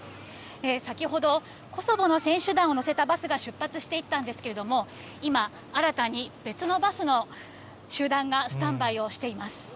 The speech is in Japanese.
先ほどコソボの選手団を乗せたバスが出発していったんですけれども、今、新たに別のバスの集団がスタンバイをしています。